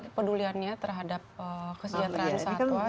kepeduliannya terhadap kesejahteraan satwa